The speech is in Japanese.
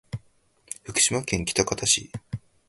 福島県喜多方市